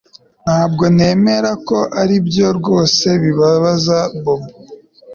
Ntabwo nemera ko aribyo rwose bibabaza Bobo